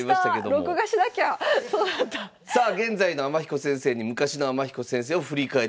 さあ現在の天彦先生に昔の天彦先生を振り返っていただくということですね。